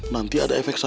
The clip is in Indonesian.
nanti ada efek sampah